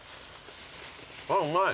あっうまい。